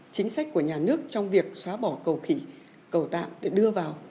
chính sách của nhà nước trong việc xóa bỏ cầu khỉ cầu tạm để đưa vào